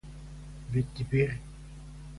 Ведь теперь...